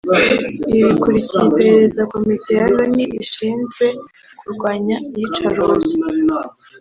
Ibi bikurikiye iperereza Komite ya Loni ishinzwe kurwanya iyicarubozo